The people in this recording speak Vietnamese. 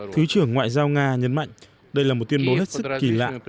thứ trưởng ngoại giao nga nhấn mạnh đây là một tuyên bố hết sức kỳ lạ